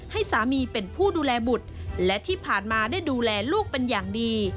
ให้สามีเป็นผู้ดูแลบุตรและที่ผ่านมาได้ดูแลลูกเป็นอย่างดี